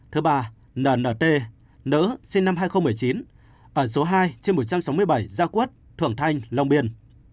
thứ ba là nt nữ sinh năm hai nghìn một mươi chín ở số hai trên một trăm sáu mươi bảy gia quất thuận thanh long biên